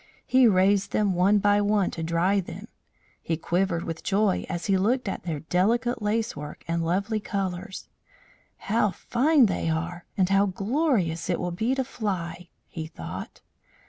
He raised them one by one to dry them. He quivered with joy as he looked at their delicate lacework and lovely colours. "How fine they are! And how glorious it will be to fly!" he thought.